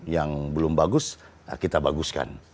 yang belum bagus kita baguskan